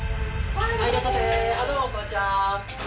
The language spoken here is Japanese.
どうもこんにちは。